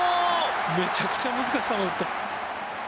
めちゃくちゃ難しい球を打った。